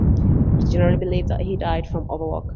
It is generally believed that he died from overwork.